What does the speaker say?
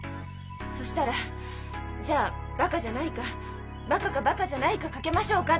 そしたら「じゃあバカじゃないかバカかバカじゃないか賭けましょうか」